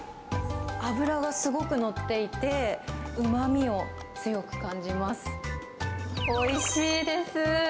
脂がすごく乗っていて、うまみを強く感じます。